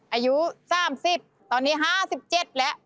อายุ๓๐ตอนนี้๕๗แล้ว